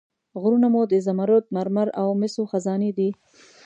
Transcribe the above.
غرونه مو د زمرد، مرمر او مسو خزانې دي.